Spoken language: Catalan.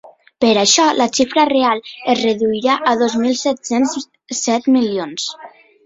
Per això, la xifra real es reduirà a dos mil set-cents set milions.